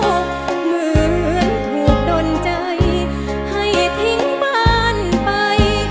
เหมือนถูกดนใจให้ทิ้งบ้านไป